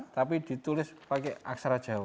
tapi ditulis pakai aksara jawa